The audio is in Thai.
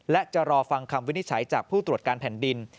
และจะรอฟังคำวินิจฉัยจากผู้ตรวจการแผ่นดิน